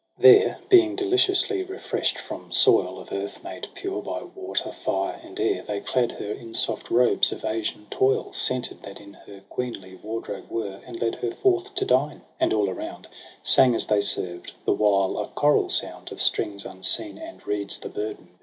There being deliciously refresht, from soil Of earth made pure by water, fire, and air. They clad her in soft robes of Asian toil. Scented, that in her queenly wardrobe were j And led her forth to dine, and all around Sang as they served, the while a choral sound Of strings unseen and reeds the burden bare.